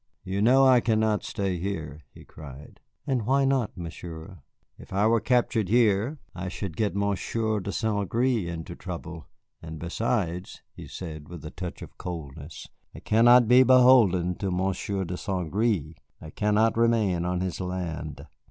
"You know I cannot stay here," he cried. "And why not, Monsieur?" "If I were captured here, I should get Monsieur de St. Gré into trouble; and besides," he said, with a touch of coldness, "I cannot be beholden to Monsieur de St. Gré. I cannot remain on his land."